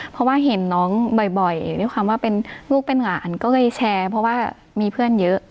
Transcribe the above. เพราะว่าเห็นน้องบ่อยด้วยความว่าเป็นลูกเป็นหลานก็เลยแชร์เพราะว่ามีเพื่อนเยอะ